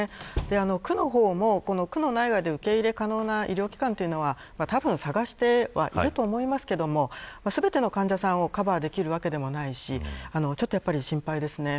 区の方も、区の内外で受け入れ可能な医療機関というのはたぶん探してはいると思いますが全ての患者さんをカバーできるわけではないしちょっと心配ですね。